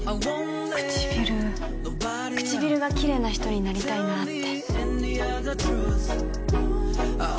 唇唇がきれいな人になりたいなぁって